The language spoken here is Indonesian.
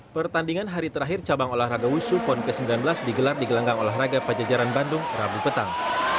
pertandingan hari terakhir cabang olahraga wusu pon ke sembilan belas digelar di gelanggang olahraga pajajaran bandung rabu petang